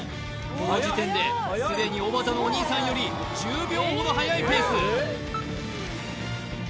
この時点で既におばたのお兄さんより１０秒ほど早いペース